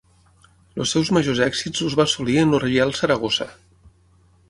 Els seus majors èxits els va assolir en el Reial Saragossa.